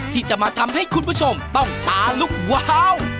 ที่จะมาทำให้คุณผู้ชมต้องตาลุกว้าว